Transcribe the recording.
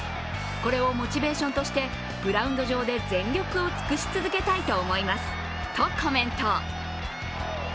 これをモチベーションとしてグラウンド上で全力を尽くし続けたいと思いますとコメント。